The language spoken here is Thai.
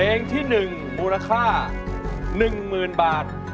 เพลงที่๑มูลค่า๑๐๐๐บาท